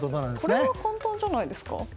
これは簡単じゃないですか？